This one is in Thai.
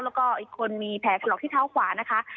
แล้วก็อีกคนมีแผลถลอกที่เท้าขวานะคะ